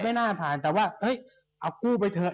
ไม่น่าผ่านแต่ว่าเฮ้ยเอากู้ไปเถอะ